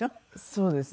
そうですね。